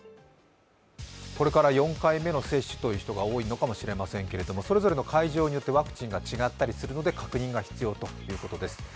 これから４回目の接種という方が多いかもしれませんけれどもそれぞれの会場によってワクチンが違ったりするので、確認が必要ということです。